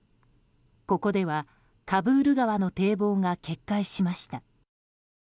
ここではカブール川の堤防が決壊しました。